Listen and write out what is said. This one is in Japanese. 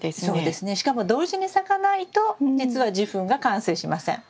しかも同時に咲かないとじつは受粉が完成しません。